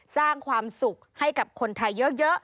สร้างความสุขให้กับคนไทยเยอะ